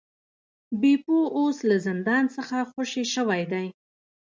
بیپو اوس له زندان څخه خوشې شوی دی.